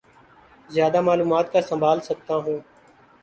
زیادہ معلومات کا سنبھال سکتا ہوں